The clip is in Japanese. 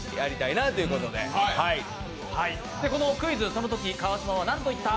そのとき川島はなんと言った？」